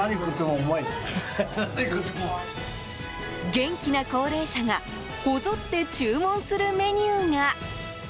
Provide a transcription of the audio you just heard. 元気な高齢者がこぞって注文するメニューが。